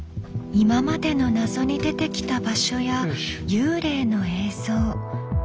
今までの謎に出てきた場所や幽霊の映像。